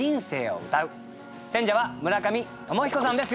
選者は村上鞆彦さんです。